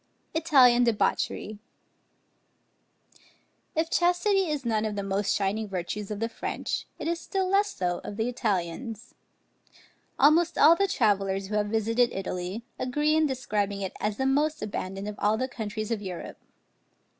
ITALIAN DEBAUCHERY. If chastity is none of the most shining virtues of the French, it is still less so of the Italians. Almost all the travellers who have visited Italy, agree in describing it as the most abandoned of all the countries of Europe.